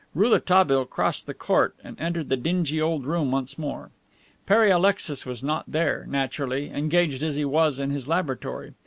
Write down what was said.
Rouletabille crossed the court and entered the dingy old room once more. Pere Alexis was not there, naturally, engaged as he was in his laboratory.